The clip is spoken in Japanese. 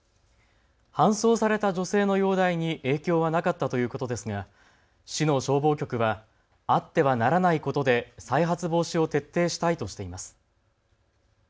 搬送された女性の容体に影響はなかったということですが市の消防局はあってはならないことで再発防止を徹底したいとしています。